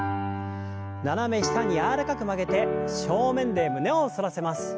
斜め下に柔らかく曲げて正面で胸を反らせます。